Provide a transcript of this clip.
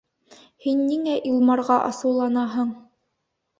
Һин ниңә Илмарға асыуланаһың?